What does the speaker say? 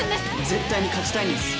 絶対に勝ちたいんです。